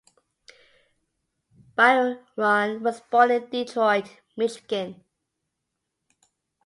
Byron was born in Detroit, Michigan.